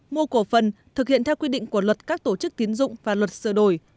mua cổ phần thực hiện theo quy định của luật các tổ chức tiến dụng và luật sửa đổi